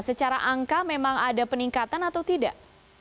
secara angka memang ada peningkatan atau tidak